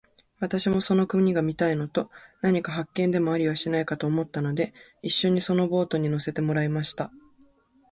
私もその国が見たいのと、何か発見でもありはしないかと思ったので、一しょにそのボートに乗せてもらいました。